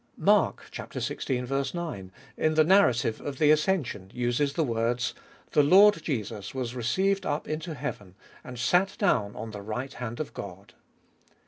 Mark (xvi. 19) in the narrative of the ascension, uses the words, " The Lord Jesus was received up into heaven, and sat down at the right hand of God."